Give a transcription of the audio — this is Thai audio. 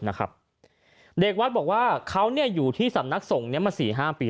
นะครับเด็กวัดบอกว่าเขาเนี่ยอยู่ที่สำนักสงฆ์เนี่ยมา๔๕ปี